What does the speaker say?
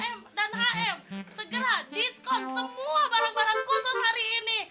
segera diskon semua barang barang khusus hari ini